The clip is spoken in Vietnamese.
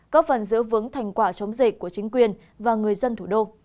góp phần giữ vững thành quả chống dịch của chính quyền và người dân thủ đô